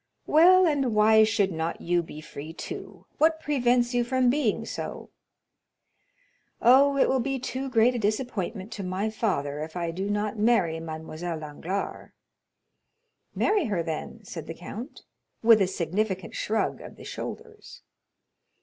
"Well, and why should not you be free, too? What prevents you from being so?" "Oh, it will be too great a disappointment to my father if I do not marry Mademoiselle Danglars." "Marry her then," said the count, with a significant shrug of the shoulders.